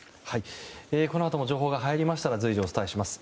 このあとも情報が入りましたら随時、お伝えします。